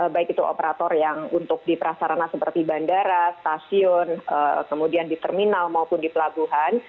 baik itu operator yang untuk di prasarana seperti bandara stasiun kemudian di terminal maupun di pelabuhan